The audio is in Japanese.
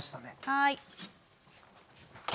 はい。